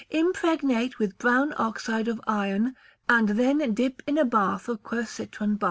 Impregnate with brown oxide of iron, and then dip in a bath of quercitron bark.